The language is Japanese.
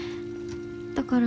だから。